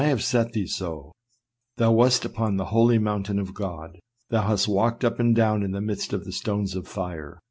231 have set thee so : thou wast upon the holy mountain if God ; thou hast walked up and down in the midst of the stones of fire.